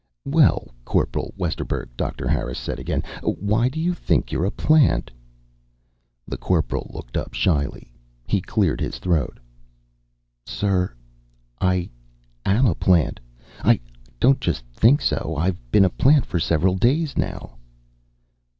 "Well, Corporal Westerburg," Doctor Harris said again. "Why do you think you're a plant?" The Corporal looked up shyly. He cleared his throat. "Sir, I am a plant, I don't just think so. I've been a plant for several days, now."